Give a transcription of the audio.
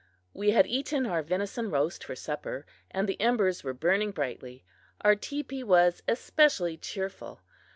We had eaten our venison roast for supper, and the embers were burning brightly. Our teepee was especially cheerful.